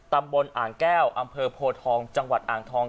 ตำบลอ่างแก้วอำเภอโพทองจังหวัดอ่างทอง